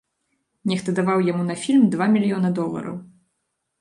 Нехта даваў яму на фільм два мільёна долараў.